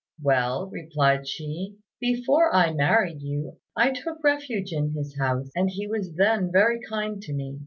"Well," replied she, "before I married you, I took refuge in his house, and he was then very kind to me.